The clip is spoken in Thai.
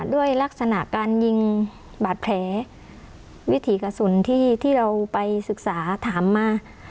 ด้วยลักษณะการยิงบาดแผลวิถีกระสุนที่เราไปศึกษาถามมา